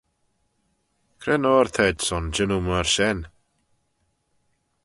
Cre'n oyr t'ayd son jannoo myr shen?